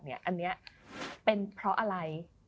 อันนี้เป็นเพราะอะไร